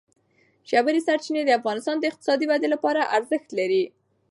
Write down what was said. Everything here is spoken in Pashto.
ژورې سرچینې د افغانستان د اقتصادي ودې لپاره ارزښت لري.